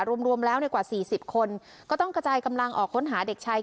รวมรวมแล้วกว่าสี่สิบคนก็ต้องกระจายกำลังออกค้นหาเด็กชาย